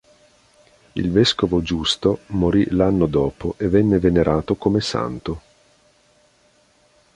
Il vescovo Giusto morì l'anno dopo e venne venerato come santo.